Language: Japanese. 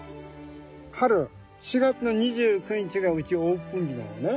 春４月の２９日がうちオープン日なのね。